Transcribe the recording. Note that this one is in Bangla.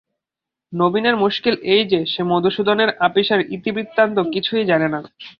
নবীনের মুশকিল এই যে, সে মধুসূদনের আপিসের ইতিবৃত্তান্ত কিছুই জানে না।